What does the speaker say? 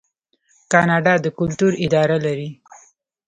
کاناډا د کلتور اداره لري.